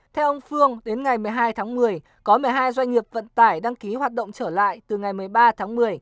theo ông phương đến ngày một mươi hai tháng một mươi có một mươi hai doanh nghiệp vận tải đăng ký hoạt động trở lại từ ngày một mươi ba tháng một mươi